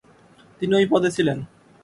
তিনি ওই পদে ছিলেন।